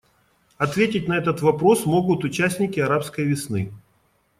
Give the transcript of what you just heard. Ответить на этот вопрос могут участники «арабской весны».